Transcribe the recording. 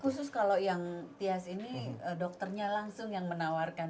khusus kalau yang tias ini dokternya langsung yang menawarkan